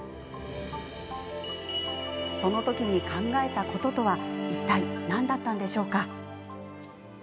その時に考えたこととはいったい何だったんでしょうか。